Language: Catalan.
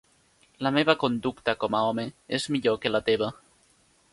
La meva conducta com a home és millor que la teva.